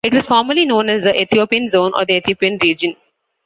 It was formerly known as the Ethiopian Zone or Ethiopian Region.